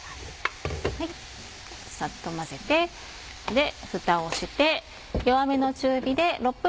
さっと混ぜてふたをして。